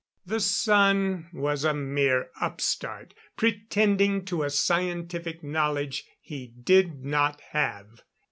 The son was a mere upstart, pretending to a scientific knowledge he did not have.